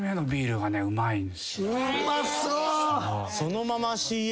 うまそう！